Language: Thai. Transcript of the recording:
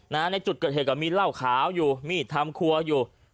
ในจุดเกิดเหตุก็มีเหล้าขาวอยู่มีดทำครัวอยู่